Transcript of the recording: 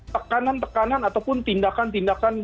tekanan tekanan ataupun tindakan tindakan